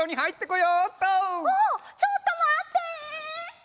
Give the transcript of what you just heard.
ああっちょっとまって！